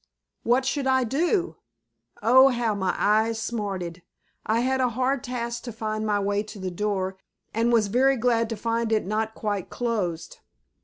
What should I do? Oh, how my eyes smarted! I had a hard task to find my way to the door and was very glad to find it not quite closed.